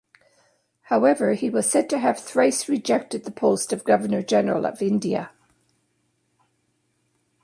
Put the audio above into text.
However, he was said to have thrice rejected the post of Governor-General of India.